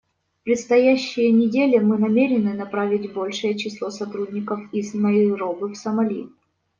В предстоящие недели мы намерены направить большее число сотрудников из Найроби в Сомали.